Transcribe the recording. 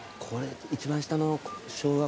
一番下の「昭和」